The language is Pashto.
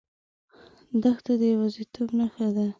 دښته د یوازیتوب نښه ده.